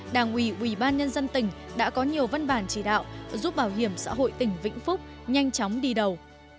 đảng ủy ubnd đã có nhiều văn bản chỉ đạo giúp bảo hiểm xã hội tỉnh vĩnh phúc nhanh chóng đi đầu